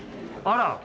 あら！